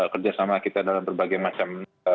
kerjasama kita dalam berbagai macam